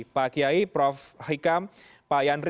pak kiai prof hikam pak yandri